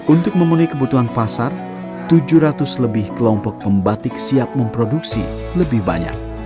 untuk memenuhi kebutuhan pasar tujuh ratus lebih kelompok pembatik siap memproduksi lebih banyak